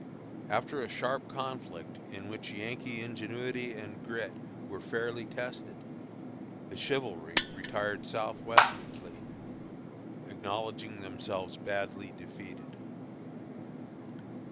After a sharp conflict, in which Yankee ingenuity and grit were fairly tested, the chivalry retired southwestwardly, acknowledging themselves badly defeated.